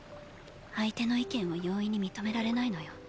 相手の意見を容易に認められないのよ。